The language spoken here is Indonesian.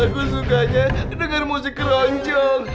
aku sukanya denger musik roncong